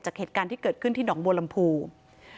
จากเหตุการณ์ที่เกิดขึ้นที่หนองโบรมภูมิ